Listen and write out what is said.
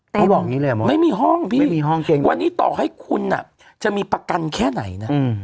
เต็มไม่มีห้องพี่วันนี้ต่อให้คุณจะมีประกันแค่ไหนนะ